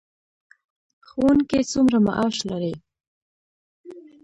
ښوونکي څومره معاش لري؟